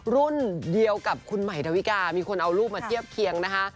รุ่นเดียวกับคุณใหม่ดาวิกามีคนเอารูปมาเทียบเคียงนะคะ